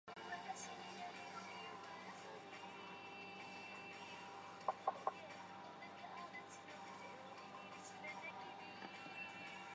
长渊站是位于朝鲜民主主义人民共和国黄海南道长渊郡长渊邑的一个铁路车站。